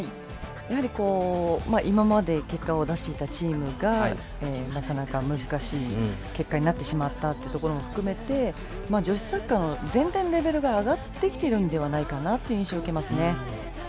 やはり、今まで結果を出していたチームがなかなか、難しい結果になってしまったというところも含めて女子サッカーの全体のレベルが上がってきているのではないかなという印象を受けますね。